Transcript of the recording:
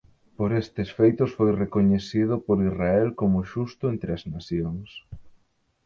Por estes feitos foi recoñecido por Israel como "Xusto entre as Nacións".